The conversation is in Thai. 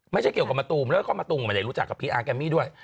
ไม่ใช่เกี่ยวกับมะตูมแล้วก็มะตูมไม่ได้รู้จักกับพี่อาร์แกมมี่ด้วย